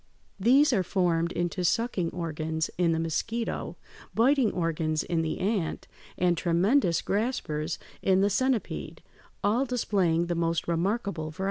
These are formed into sucking organs in the mosquito, biting organs in the ant, and tremendous graspers in the centipede, all displaying the most remarkable variety.